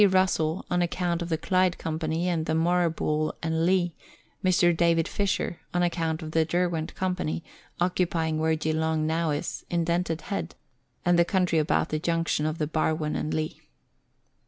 Russell, on account of the Clyde Company, on the Moorabool and Leigh ; Mr. David Fisher, on account of the Derwent Com pany, occupying where Geelong now is, Indented Head, and the country about the junction of the Barwon and Leigh.